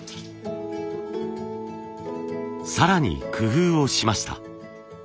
更に工夫をしました。